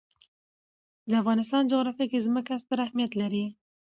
د افغانستان جغرافیه کې ځمکه ستر اهمیت لري.